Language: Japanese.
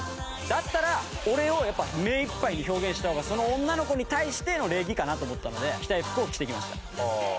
だったら俺を目いっぱいに表現した方がその女の子に対しての礼儀かなと思ったので着たい服を着てきました。